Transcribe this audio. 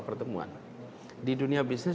pertemuan di dunia bisnis